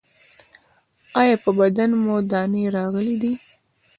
ایا په بدن مو دانې راغلي دي؟